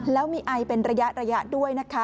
แล้วมีไอเป็นระยะด้วยนะคะ